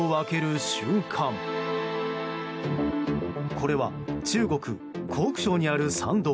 これは中国・湖北省にある山道。